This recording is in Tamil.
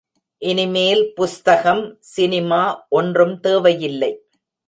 இனிமேல் புஸ்தகம், சினிமா ஒன்றும் தேவையில்லை.